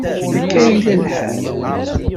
Akka ay yella lḥal.